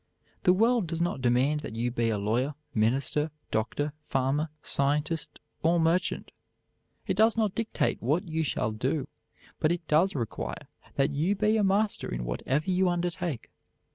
The world does not demand that you be a lawyer, minister, doctor, farmer, scientist, or merchant; it does not dictate what you shall do, but it does require that you be a master in whatever you undertake.